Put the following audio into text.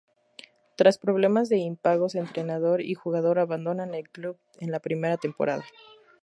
Tras problemas de impagos entrenador y jugador abandonan el club en la primera temporada.